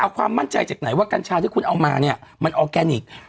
เอาความมั่นใจจากไหนว่ากัญชาที่คุณเอามาเนี่ยมันออร์แกนิค